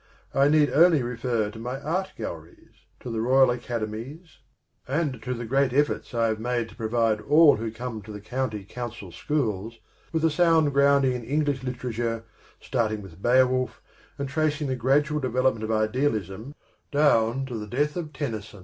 " I need only refer to my art galleries, to the royal academies, and to the great efforts I have made to provide all who come to the County Council schools with a sound grounding in English literature, starting with Beowulf, and tracing the gradual development of Idealism down to the death of Tennyson."